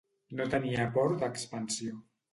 No tenia port d'expansió.